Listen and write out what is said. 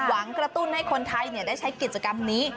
กระตุ้นให้คนไทยได้ใช้กิจกรรมนี้